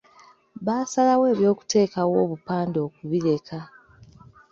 Baasalawo eby’okuteekawo obupande okubireka.